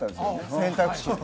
選択肢